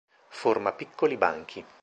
Forma piccoli banchi.